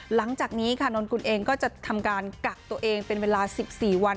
หลังจากนี้ค่ะนนกุลเองก็จะทำการกักตัวเองเป็นเวลา๑๔วัน